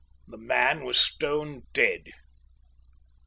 The man was stone dead.